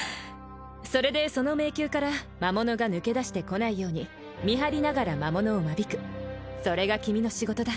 それでその迷宮から魔物が抜け出してこないように見張りながら魔物を間引くそれが君の仕事だ